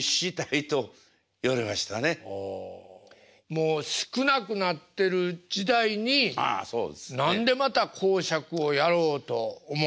もう少なくなってる時代に何でまた講釈をやろうと思われたんですか？